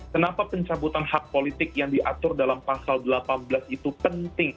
kenapa pencabutan hak politik yang diatur dalam pasal delapan belas itu penting